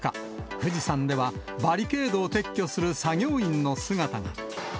富士山ではバリケードを撤去する作業員の姿が。